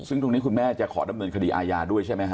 ซึ่งตรงนี้คุณแม่จะขอดำเนินคดีอาญาด้วยใช่ไหมฮ